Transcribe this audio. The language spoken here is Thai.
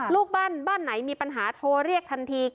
ลูกบ้านบ้านไหนมีปัญหาโทรเรียกทันที